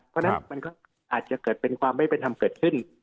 เพราะฉะนั้นมันก็อาจจะเกิดเป็นความไม่เป็นธรรมเกิดขึ้น